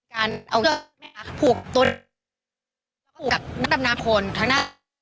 การเอาเบื้องมากขึ้นปลูกดับนักดำน้ำของคน